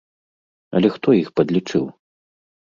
Але хто іх падлічыў?